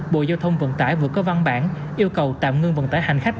bộ giao thông vận tải vừa có văn bản yêu cầu tạm ngưng vận tải hành khách